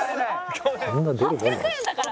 「８００円だから」